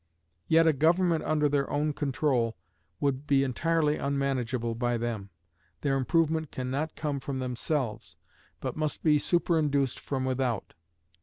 Yet a government under their own control would be entirely unmanageable by them. Their improvement can not come from themselves, but must be superinduced from without.